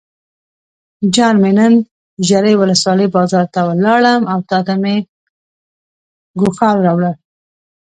جان مې نن ژرۍ ولسوالۍ بازار ته لاړم او تاته مې ګوښال راوړل.